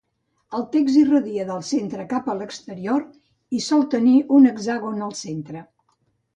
El text irradia del centre cap a l'exterior i sol tenir un hexàgon al centre.